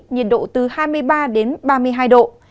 nhiệt độ từ hai mươi ba đến ba mươi hai độ